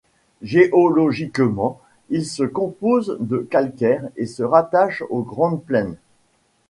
Géologiquement, il se compose de calcaire et se rattache aux Grandes Plaines.